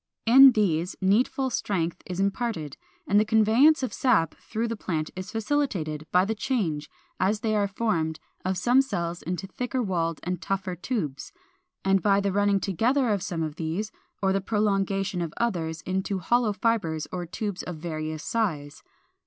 In these needful strength is imparted, and the conveyance of sap through the plant is facilitated, by the change, as they are formed, of some cells into thicker walled and tougher tubes, and by the running together of some of these, or the prolongation of others, into hollow fibres or tubes of various size.